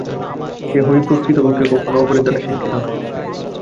কেহই প্রকৃতপক্ষে কখনও অপরের দ্বারা শিক্ষিত হয় নাই।